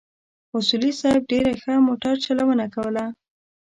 اصولي صیب ډېره ښه موټر چلونه کوله.